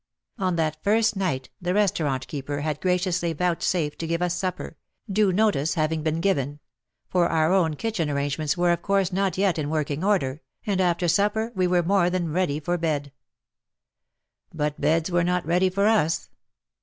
On that first night the restaurant keeper had graciously vouchsafed to give us supper, — due notice having been given ; for our own kitchen arrangements were of course not yet in working order, and after supper we were more than ready for bed. But beds were not ready for us.